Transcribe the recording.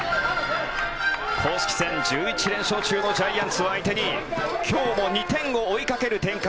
公式戦１１連勝中のジャイアンツ相手に今日も２点を追いかける展開